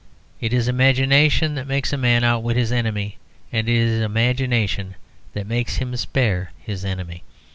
It is imagination that makes a man outwit his enemy, and it is imagination that makes him spare his enemy.